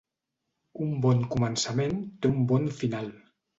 Un bon començament té un bon final.